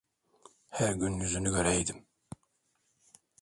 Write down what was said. Her gün yüzünü göreydim.